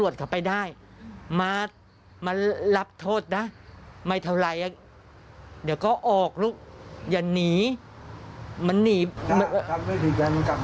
ถ้าไม่ผิดก็ให้กลับมาด้วย